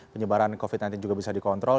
penyebaran covid sembilan belas juga bisa dikontrol